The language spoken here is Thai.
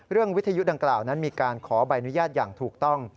วิทยุดังกล่าวนั้นมีการขอใบอนุญาตอย่างถูกต้อง